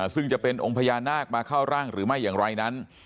ซึ่งจะเป็นองค์พญานาคมาเข้าร่างหรือไม่อย่างไรนั้น